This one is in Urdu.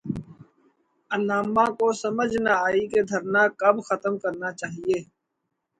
علامہ کو سمجھ نہ آئی کہ دھرنا کب ختم کرنا چاہیے۔